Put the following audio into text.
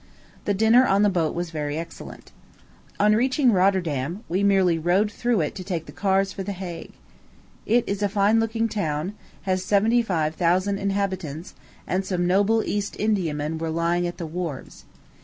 The dinner on the boat was very excellent. On reaching Rotterdam, we merely rode through it to take the cars for the Hague. It is a fine looking town, has seventy five thousand inhabitants, and some noble East Indiamen were lying at the wharves.